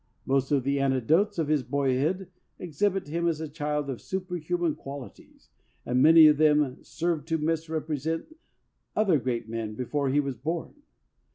Most of the anecdotes of his boyhood exhibit him as a child of superhuman qualities, and many of them served to misrepre sent other great men before he was born.